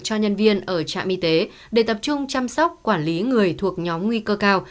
cho nhân viên ở trạm y tế để tập trung chăm sóc quản lý người thuộc nhóm nguy cơ cao